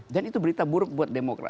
dan itu berita buruk buat demokrasi